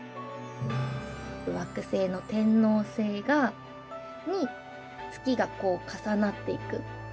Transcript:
惑星の天王星に月が重なっていく。